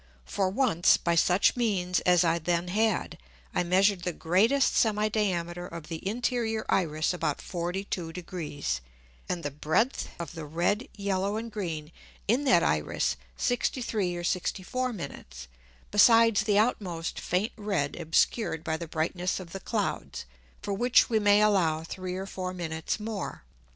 For once, by such means as I then had, I measured the greatest Semi diameter of the interior Iris about 42 Degrees, and the breadth of the red, yellow and green in that Iris 63 or 64 Minutes, besides the outmost faint red obscured by the brightness of the Clouds, for which we may allow 3 or 4 Minutes more.